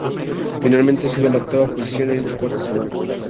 Finalmente sube a la octava posición en su cuarta semana.